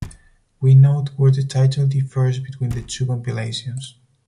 We note where the title differs between the two compilations.